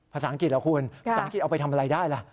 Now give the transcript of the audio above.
ภาษาอังกฤษเหรอคุณภาษาอังกฤษเอาไปทำอะไรได้ล่ะ